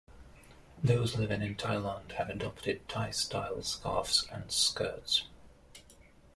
Those living in Thailand have adopted Thai style scarfs and skirts.